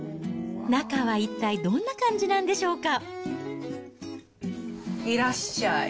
中は一体どんな感じなんでしょうか。